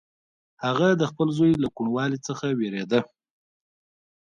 هغه د خپل زوی له کوڼوالي څخه وېرېده.